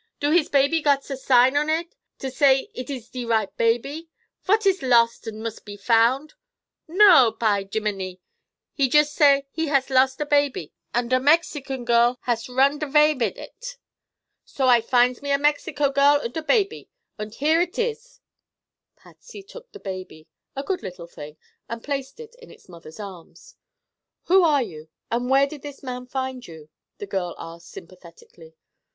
"Do his baby gots a sign on id, to say id iss de right baby, vot iss lost unt must be foundt? No, py jimminy! He yust say he hass a lost baby, unt a Mexico girl hass runned avay mit id. So I finds me a Mexico girl unt a baby—unt here id iss!" Patsy took the baby, a good little thing, and placed it in its mother's arms. "Who are you, and where did this man find you?" the girl asked sympathetically.